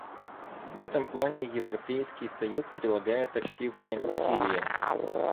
В этом плане Европейский союз прилагает активные усилия.